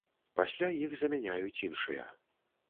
Пасля іх замяняюць іншыя.